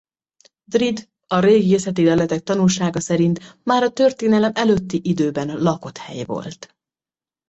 Drid a régészeti leletek tanúsága szerint már a történelem előtti időben lakott hely volt.